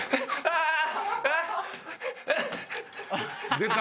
「出た！」